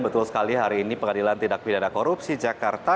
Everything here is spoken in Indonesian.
betul sekali hari ini pengadilan tindak pidana korupsi jakarta